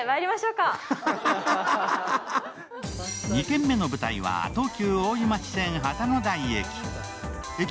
２軒目の舞台は東急大井町線・旗の台駅。